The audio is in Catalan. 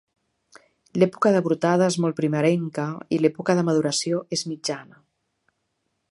L'època de brotada és molt primerenca i l'època de maduració és mitjana.